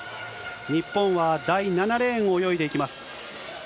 日本は第７レーンを泳いでいきます。